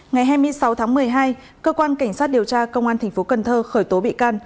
ngày hai mươi sáu tháng một mươi hai cơ quan cảnh sát điều tra công an tp cn khởi tố bị can